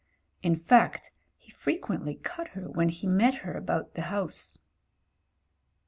In fact, he frequently cut her when he met her about the house.